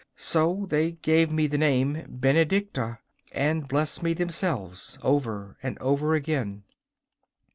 So they gave me the name Benedicta, and blessed me themselves, over and over again.